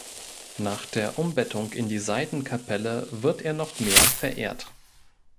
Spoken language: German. Nach der Umbettung in die Seitenkapelle wird er noch mehr verehrt.